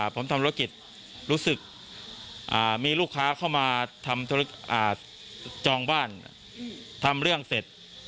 ผมทำธุรกิจรู้สึกมีลูกค้าเข้ามาทำจองบ้านทำเรื่องเสร็จ